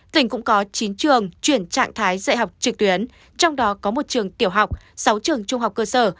tỉnh cũng có chín trường chuyển trạng thái dạy học trực tuyến trong đó có một trường tiểu học sáu trường trung học cơ sở